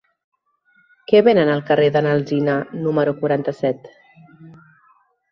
Què venen al carrer de n'Alsina número quaranta-set?